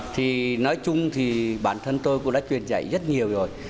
thì nói chung thì bản thân tôi cũng đã truyền dạy rất nhiều rồi